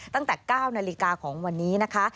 ตั้งแต่๙นาฬิกาของวันนี้นะคะ